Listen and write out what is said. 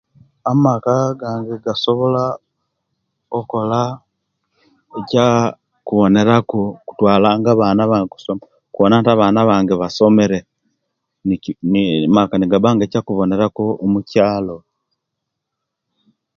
Amaka gange gasobola okola ekya kuboneraku kutwalanga abana bange kusoma kubona nti abana bange basomere ni amaka nigabba nga ekyokubonera ku mukyalo